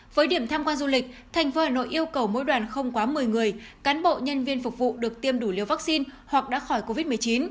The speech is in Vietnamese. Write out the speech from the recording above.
với điểm tham quan du lịch tp hà nội yêu cầu mỗi đoàn không quá một mươi người cán bộ nhân viên phục vụ được tiêm đủ liều vaccine hoặc đã khỏi covid một mươi chín